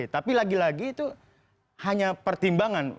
tapi lagi lagi itu hanya pertimbangan